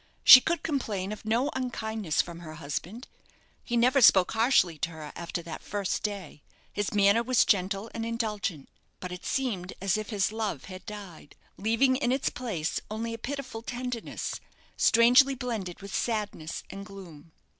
She could complain of no unkindness from her husband he never spoke harshly to her after that first day. His manner was gentle and indulgent; but it seemed as if his love had died, leaving in its place only a pitiful tenderness, strangely blended with sadness and gloom.